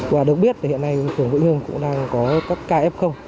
và được biết hiện nay phường vũ nhưng cũng đang có các kf